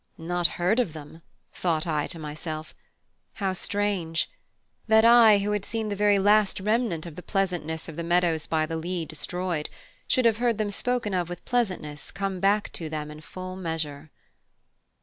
Not heard of them! thought I to myself. How strange! that I who had seen the very last remnant of the pleasantness of the meadows by the Lea destroyed, should have heard them spoken of with pleasantness come back to them in full measure.